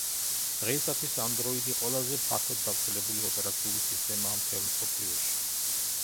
დღეისათვის ანდროიდი ყველაზე ფართოდ გავრცელებული ოპერაციული სისტემაა მთელ მსოფლიოში.